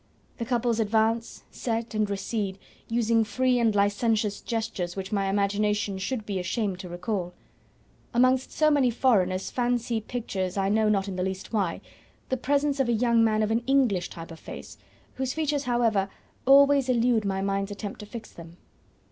The couples advance, set, and recede, using free and licentious gestures which my imagination should be ashamed to recall. Amongst so many foreigners, fancy pictures, I know not in the least why, the presence of a young man of an English type of face, whose features, however, always elude my mind's attempt to fix them.